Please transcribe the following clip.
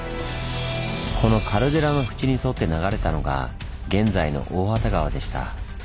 このカルデラの縁に沿って流れたのが現在の大畑川でした。